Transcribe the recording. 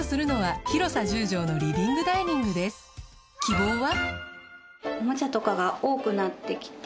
希望は？